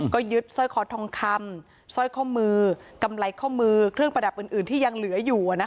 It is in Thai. ก็ยึดสร้อยคอทองคำสร้อยข้อมือกำไรข้อมือเครื่องประดับอื่นที่ยังเหลืออยู่